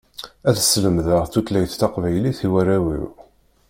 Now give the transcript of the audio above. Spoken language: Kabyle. Ad slemdeɣ tutlayt taqbaylit i warraw-iw.